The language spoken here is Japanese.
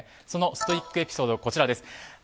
そのストイックエピソードこちらです。